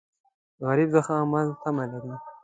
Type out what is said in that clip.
غریب د ښه عمل تمه لري